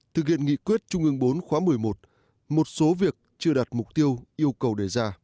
thực hiện nghị quyết trung ương bốn khóa một mươi một một số việc chưa đạt mục tiêu yêu cầu đề ra